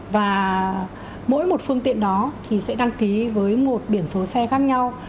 và mỗi một phương tiện đó thì sẽ đăng ký với một biển số xe khác nhau